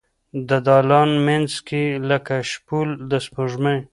د دالان مینځ کې لکه شپول د سپوږمۍ